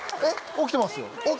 起きてますよ。